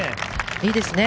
いいですね。